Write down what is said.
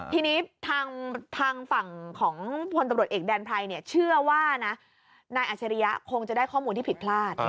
ทีนี้ทางฝั่งของพลตำรวจเอกแดนไพรเชื่อว่านะนายอัชริยะคงจะได้ข้อมูลที่ผิดพลาด